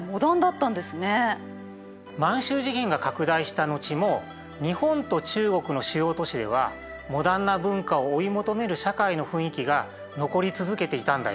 満洲事変が拡大した後も日本と中国の主要都市ではモダンな文化を追い求める社会の雰囲気が残り続けていたんだよ。